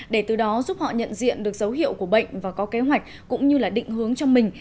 để từ đó giúp họ nhận diện được dấu hiệu của bệnh và có kế hoạch cũng như là định hướng cho mình